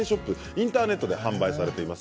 インターネットで販売されています。